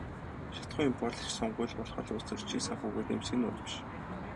Шатахуун импортлогчид сонгууль болохоор л улстөрчдийг санхүүгээр дэмждэг нь нууц биш.